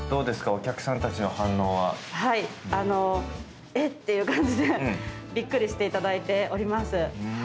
お客さんたちの反応は。えっ？って感じでびっくりしていただいております。